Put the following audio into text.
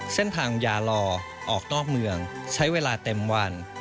เส้นทางยาลอออกนอกเมืองใช้เวลาเต็มวัน